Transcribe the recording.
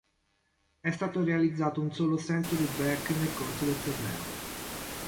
È stato realizzato un solo century break nel corso del torneo.